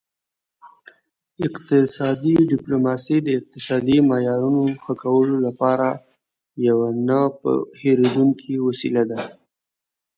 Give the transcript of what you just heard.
اقتصادي ډیپلوماسي د اقتصادي معیارونو ښه کولو لپاره یوه نه هیریدونکې وسیله ده